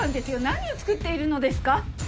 何を作っているのですか？